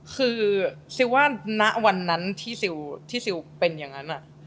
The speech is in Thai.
คือซิลว่านักวันนั้นที่ซิลเป็นอย่างนั้นอะ